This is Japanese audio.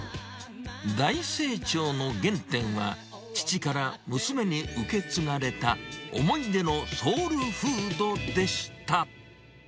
大成長の原点は、父から娘に受け継がれた思い出のソウルフードでした。